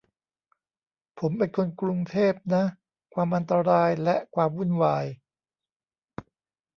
ผมเป็นคนกรุงเทพนะ ความอันตราย และความวุ่นวาย